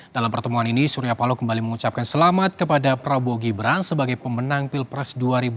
dalam pertemuan ini surya paloh kembali mengucapkan selamat kepada prabowo gibran sebagai pemenang pilpres dua ribu dua puluh